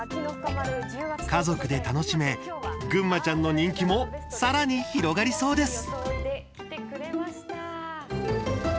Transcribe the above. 家族で楽しめぐんまちゃんの人気もさらに広がりそうです。